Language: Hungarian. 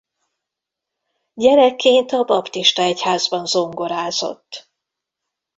Gyerekként a baptista egyházban zongorázott.